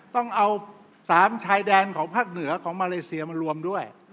ต้องเอา๓ชายแดนของภาคเหนือของมาเลเซียมารวมด้วย